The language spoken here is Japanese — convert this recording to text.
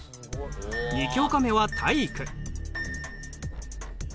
２教科目は体育。